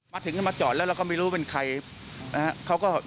มาถึงก็มาจอดแล้วเราก็ไม่รู้เป็นใครนะครับ